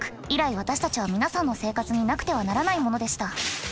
以来私たちは皆さんの生活になくてはならないものでした。